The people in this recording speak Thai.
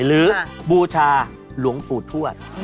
หรือบูชาหลวงปู่ถวด